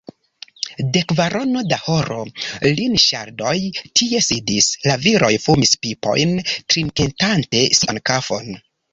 De kvarono da horo, Linŝardoj tie sidis: la viroj fumis pipojn, trinketante sian kafon.